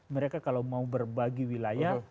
mereka kalau mau berbagi wilayah